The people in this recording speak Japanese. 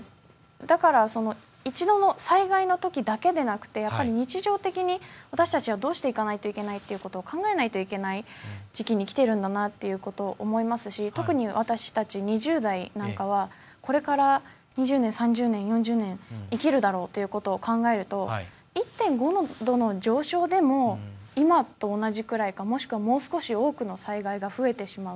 だから、災害のときだけでなくて日常的に私たちはどうしていかなきゃいけないということを考えないといけない時期にきているんだなということを思いますし特に私たち２０代なんかはこれから２０年、３０年、４０年生きるだろうということを考えると１．５度の上昇でも今と同じくらいかもしくはもう少し多く災害が増えてしまう。